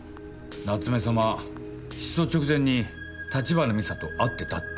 夏目さま失踪直前に橘美沙と会ってたって。